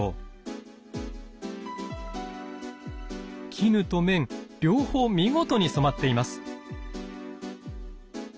絹と綿両方見事に染まっています。